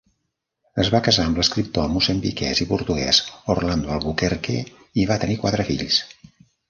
Es va casar amb l'escriptor moçambiquès i portuguès Orlando Albuquerque i va tenir quatre fills.